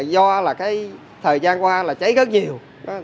do thời gian qua cháy rất nhiều